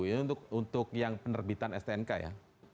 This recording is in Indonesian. ini untuk yang penerbitan stnk ya